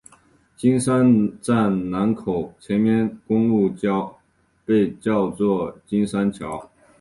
金山站南口前面的公路桥被叫做金山桥。